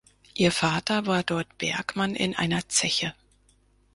Ihr Vater war dort Bergmann in einer Zeche.